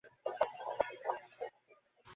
একটি কাজের লোক বড়-বড় দুটি সুটকেস নিয়ে নামছে।